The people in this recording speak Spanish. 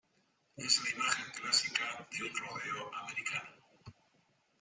Es la imagen clásica de un rodeo americano.